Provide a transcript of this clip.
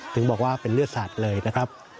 ถึงบอกว่าเป็นเลือดสัตว์เลยนะครับ